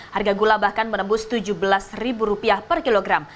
harga gula bahkan menembus tujuh belas ribu rupiah per kilogram